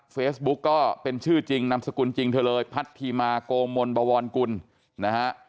เฟซบุ๊กก็เป็นชื่อจริงนามสกุลจริงเธอเลยพัทธิมาโกมลบวรกุลนะฮะ